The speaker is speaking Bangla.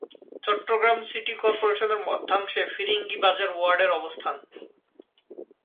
চট্টগ্রাম সিটি কর্পোরেশনের মধ্যাংশে ফিরিঙ্গি বাজার ওয়ার্ডের অবস্থান।